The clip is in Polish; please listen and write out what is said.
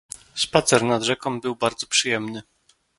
Spacer nad rzeką był bardzo przyjemny.